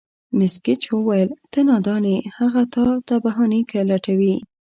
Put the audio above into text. مېس ګېج وویل: ته نادان یې، هغه تا ته بهانې لټوي.